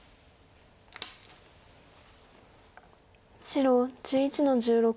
白１１の十六。